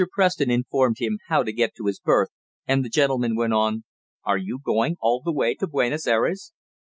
Preston informed him how to get to his berth, and the gentleman went on: "Are you going all the way to Buenos Ayres?"